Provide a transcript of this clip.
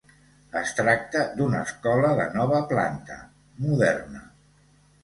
Es tracta d'una escola de nova planta, moderna.